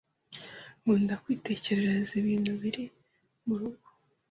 Nkunda kwitegereza ibintu biri mu rugo